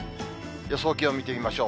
予想気温見てみましょう。